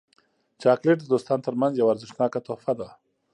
چاکلېټ د دوستانو ترمنځ یو ارزښتناک تحفه ده.